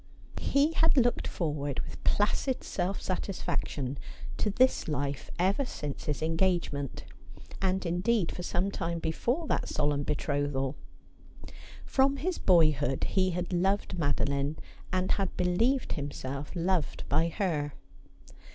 He had looked forward with placid self satisfaction to this life ever since his engagement — and indeed for some time before that solemn betrothal. From his boyhood he had loved Mado line, and had believed himself beloved by her.